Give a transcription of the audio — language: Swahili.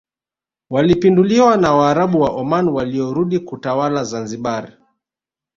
walipinduliwa na waarabu wa Oman waliorudi kuitawala Zanzibar